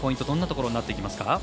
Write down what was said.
どんなところになっていきますか。